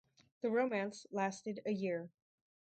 The romance lasted a year.